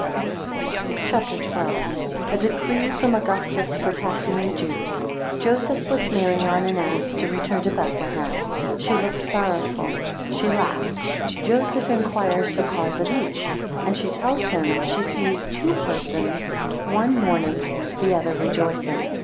CHAP. XII. 1 A decree from Augustus for taxing the Jews. 5 Joseph puts Mary on an ass, to return to Bethlehem, 6 she looks sorrowful, 7 she laughs, 8 Joseph inquires the cause of each, 9 she tells him she sees two persons, one mourning and the other rejoicing.